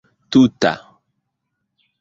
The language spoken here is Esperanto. tuta